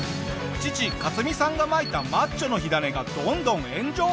父カツミさんがまいたマッチョの火種がどんどん炎上。